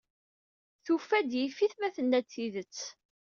Tufa-d yif-it ma tenna-d tidet.